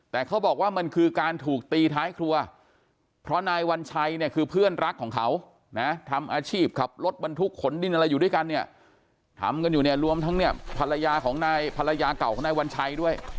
แต่เขาบอกว่ามันคือการถูกตีท้ายครัวเพราะนายวัญชัยเนี่ยคือเพื่อนรักของเขานะทำอาชีพขับรถบรรทุกขนดินอะไรอยู่ด้วยกันเนี่ยทำกันอยู่เนี่ยรวมทั้งเนี่ยภรรยาของนายภรรยาเก่าของนายวัญชัยด้วย